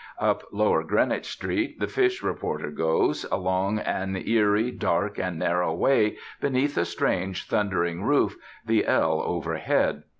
Up lower Greenwich Street the fish reporter goes, along an eerie, dark, and narrow way, beneath a strange, thundering roof, the "L" overhead.